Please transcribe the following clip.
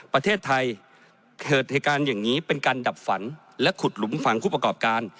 ประเทศไทยเกิดเหตุการณ์อย่างนี้เป็นการดับฝันและขุดหลุมฝั่งผู้ประกอบการ